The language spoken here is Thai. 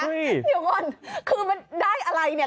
เดี๋ยวก่อนคือมันได้อะไรเนี่ย